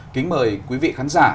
kính mời quý vị khán giả